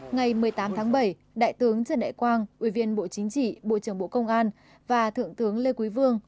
ngày một mươi tám tháng bảy đại tướng trần đại quang ủy viên bộ chính trị bộ trưởng bộ công an và thượng tướng lê quý vương